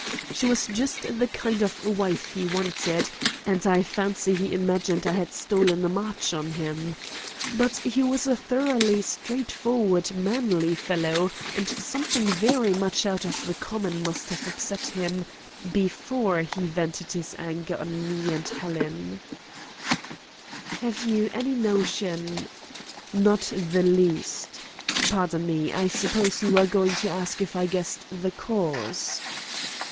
She was just the kind of wife he wanted, and I fancy he imagined I had stolen a march on him. But he was a thoroughly straightforward, manly fellow, and something very much out of the common must have upset him before he vented his anger on me and Helen." "Have you any notion " "Not the least. Pardon me. I suppose you were going to ask if I guessed the cause?"